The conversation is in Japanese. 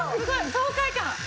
爽快感！